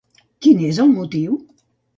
Quin és el motiu?